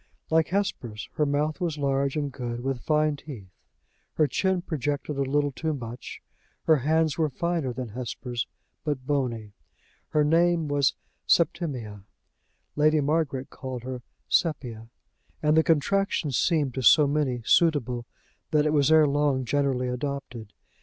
Like Hesper's, her mouth was large and good, with fine teeth; her chin projected a little too much; her hands were finer than Hesper's, but bony. Her name was Septimia; Lady Margaret called her Sepia, and the contraction seemed to so many suitable that it was ere long generally adopted.